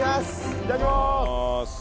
いただきます！